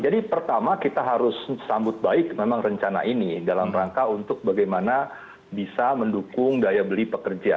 jadi pertama kita harus sambut baik memang rencana ini dalam rangka untuk bagaimana bisa mendukung daya beli pekerja